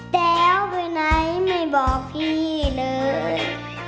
แต๋วไปไหนไม่บอกพี่เลย